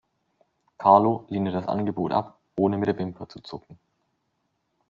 Carlo lehnte das Angebot ab ohne mit der Wimper zu zucken.